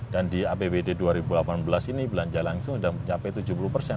dan di apbd dua ribu delapan belas ini belanja langsung sudah mencapai tujuh puluh persen